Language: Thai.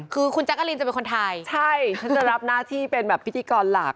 คือคุณจักรีนจะเป็นคนทายจ๊ะใช่จะรับหน้าที่เป็นพิธีกรหลัก